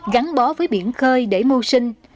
gắn bó với biển khơi để mưu sinh